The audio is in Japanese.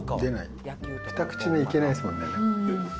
２口目いけないですもんね。